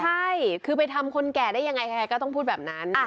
ใช่คือไปทำคนแก่ได้ยังไงใครก็ต้องพูดแบบนั้น